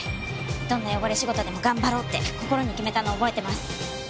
どんな汚れ仕事でも頑張ろうって心に決めたのを覚えてます。